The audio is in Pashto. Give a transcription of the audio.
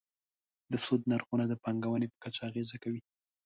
د سود نرخونه د پانګونې په کچه اغېزه کوي.